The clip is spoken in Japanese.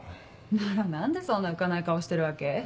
なら何でそんな浮かない顔してるわけ？